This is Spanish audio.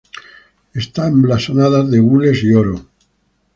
Están blasonadas de gules y oro.